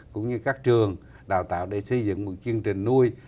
cũng như các trường đào tạo để xây dựng một chương trình nuôi